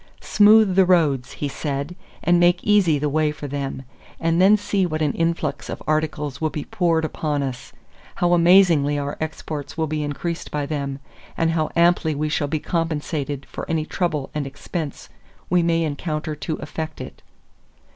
"Smooth the roads," he said, "and make easy the way for them, and then see what an influx of articles will be poured upon us; how amazingly our exports will be increased by them; and how amply we shall be compensated for any trouble and expense we may encounter to effect it."